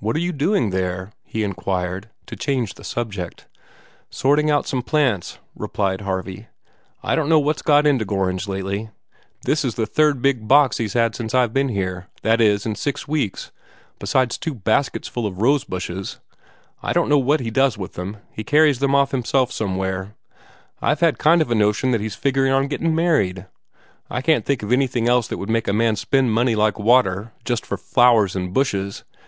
"What are you doing there?" he inquired, to change the subject. "Sorting out some plants," replied Harvey. "I don't know what's got into Gorringe lately. This is the third big box he's had since I've been here that is, in six weeks besides two baskets full of rose bushes. I don't know what he does with them. He carries them off himself somewhere. I've had kind of half a notion that he's figurin' on getting married. I can't think of anything else that would make a man spend money like water just for flowers and bushes.